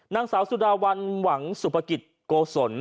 นางสาวสุดาวันหวังสุภกิจโกศล